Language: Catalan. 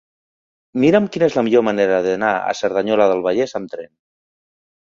Mira'm quina és la millor manera d'anar a Cerdanyola del Vallès amb tren.